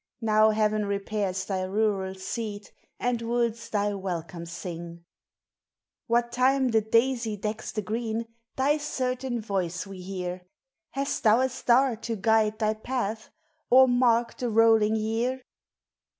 Now Heaven repairs thy rural seat, And woods thy welcome sin . Whal Mm the daisy decks the green, Thy certain voice we bear. Hast thou a star t<> guide Hi} path, Or mark the polling year?